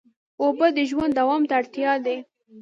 اوبه د ژوند دوام ته اړتیا دي.